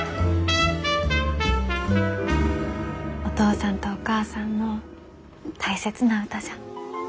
お父さんとお母さんの大切な歌じゃ。